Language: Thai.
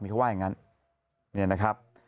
เขาว่าอย่างนั้นเนี่ยนะครับ